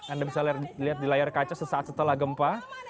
anda bisa lihat di layar kaca sesaat setelah gempa